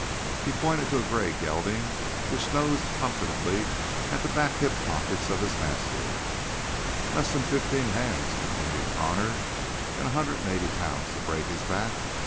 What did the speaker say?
He pointed to a gray gelding which nosed confidently at the back hip pockets of his master. "Less than fifteen hands," continued Connor, "and a hundred and eighty pounds to break his back.